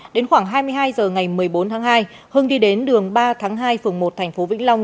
đến khoảng hai mươi hai h ngày một mươi bốn tháng hai hưng đi đến đường ba tháng hai phường một thành phố vĩnh long